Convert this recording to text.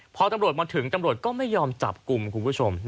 พอตำรวจมาถึงตำรวจก็ไม่ยอมจับกลุ่มคุณผู้ชม